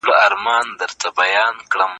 هغه د ټولنو د هر اړخيزودودونو ارزونه کوي.